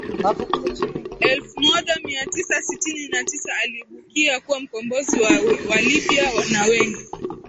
elfu moja mia tisa sitini na tisa aliibukia kuwa mkombozi wa Walibya na wengi